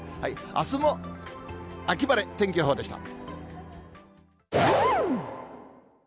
あすも秋晴れ、天気予報でした。